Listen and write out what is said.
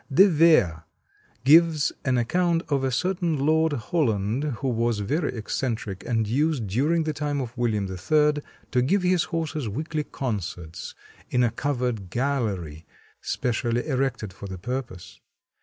De Vere gives an account of a certain Lord Holland who was very eccentric, and used during the time of William III to give his horses weekly concerts in a covered gallery specially erected for the purpose.